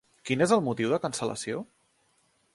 Quin és el motiu de cancel·lació?